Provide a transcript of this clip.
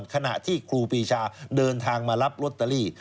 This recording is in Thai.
ขณะที่ครูปีชาเดินทางมารับลอตเตอรี่